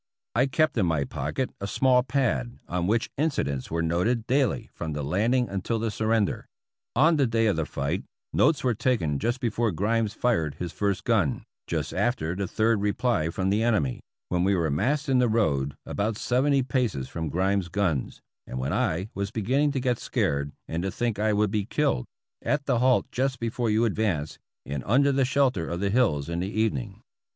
I kept in my pocket a small pad on which incidents were noted daily from the landing until the surrender. On the day of the fight notes were taken just before Grimes fired his first gun, just after the third reply from the enemy — when we were massed in the road about seventy paces from Grimes' guns, and when I was beginning to get scared and to think I would be killed — at the halt just before you advanced, and under the shelter of the hills in the evening.